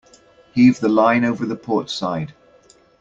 Heave the line over the port side.